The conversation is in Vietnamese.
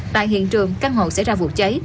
tại hiện trường căn hộ sẽ ra vụ cháy